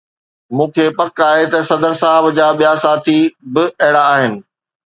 مون کي پڪ آهي ته صدر صاحب جا ٻيا ساٿي به اهڙا آهن.